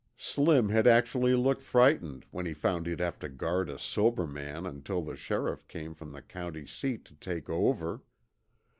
Slim had actually looked frightened when he found he'd have to guard a sober man until the sheriff came from the county seat to take over.